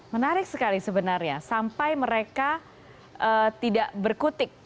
menarik sekali sebenarnya sampai mereka tidak berkutik